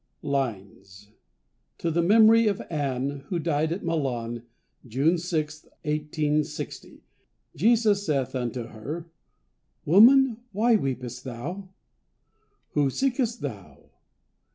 LINES TO THE MEMORY OF "ANNIE," WHO DIED AT MILAN, JUNE 6, 1860 "Jesus saith unto her, Woman, why weepest thou? whom seekest thou?